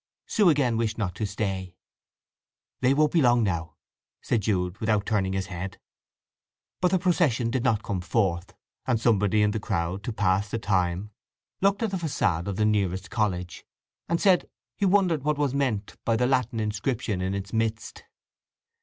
Sue again wished not to stay. "They won't be long now," said Jude, without turning his head. But the procession did not come forth, and somebody in the crowd, to pass the time, looked at the façade of the nearest college, and said he wondered what was meant by the Latin inscription in its midst.